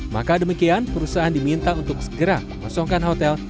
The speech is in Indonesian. maka demikian perusahaan diminta untuk segera mengosongkan hotel